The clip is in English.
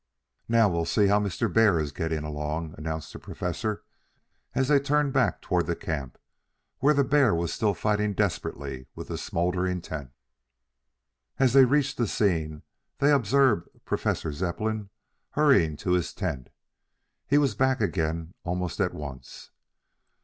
"Now we'll see how Mr. Bear is getting along," announced the Professor, as they turned back toward the camp, where the bear was still fighting desperately with the smouldering tent. As they reached the scene they observed Professor Zepplin hurrying to his tent. He was back again almost at once.